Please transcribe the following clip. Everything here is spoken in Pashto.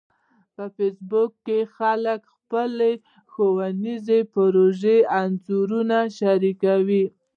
په فېسبوک کې خلک د خپلو ښوونیزو پروژو انځورونه شریکوي